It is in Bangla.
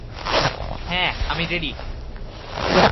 হ্যাঁ, আমি রেডি।